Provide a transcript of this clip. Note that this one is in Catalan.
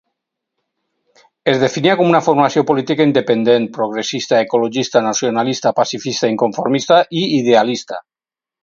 Es definia com una formació política independent, progressista, ecologista, nacionalista, pacifista, inconformista i idealista.